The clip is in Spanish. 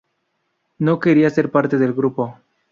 No quería ser parte del grupo.